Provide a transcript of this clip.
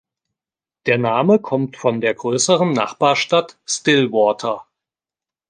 Der Name kommt von der größeren Nachbarstadt Stillwater.